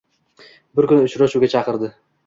Bir kuni uchrashuvga chaqirdi